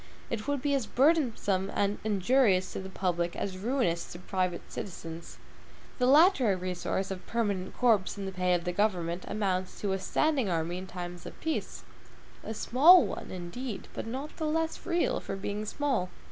It would be as burdensome and injurious to the public as ruinous to private citizens. The latter resource of permanent corps in the pay of the government amounts to a standing army in time of peace; a small one, indeed, but not the less real for being small.